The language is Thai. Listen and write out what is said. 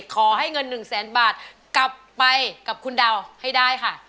ขอให้เงิน๑แสนบาทกลับไปกับคุณดาวให้ได้ค่ะ